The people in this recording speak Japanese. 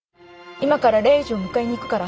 今からレイジを迎えに行くから。